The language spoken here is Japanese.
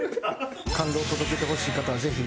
感動を届けてほしい方はぜひ。